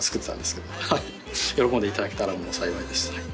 喜んでいただけたら幸いです。